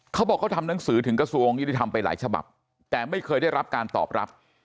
เขาบอกเขาทำหนังสือถึงกระทรวงยุติธรรมไปหลายฉบับแต่ไม่เคยได้รับการตอบรับ